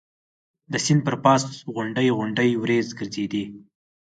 د سیند پر پاسه غونډۍ غونډۍ وریځ ګرځېدې.